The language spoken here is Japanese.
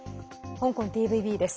香港ＴＶＢです。